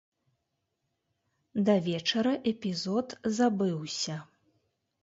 Да вечара эпізод забыўся.